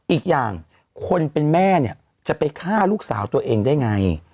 อีกอย่างคนเป็นแม่เนี่ยจะไปฆ่าลูกสาวตัวเองได้ไง